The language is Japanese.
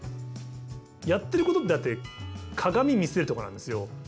やってることってだって鏡見せるところなんですよ。